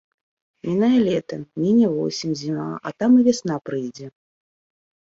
Мінае лета, міне восень, зіма, а там і вясна прыйдзе.